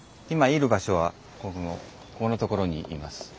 今いる場所はこのところにいます。